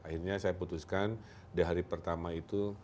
akhirnya saya putuskan di hari pertama itu